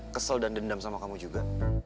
kesel dan dendam sama kamu juga